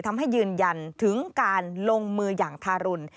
ทำให้ยืนยันถึงการลงมืออย่างทารุล